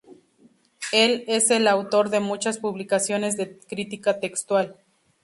Él es el autor de muchas publicaciones de crítica textual.